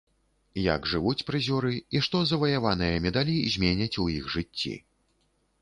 Як жывуць прызёры і што заваяваныя медалі зменяць у іх жыцці.